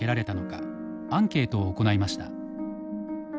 アンケートを行いました。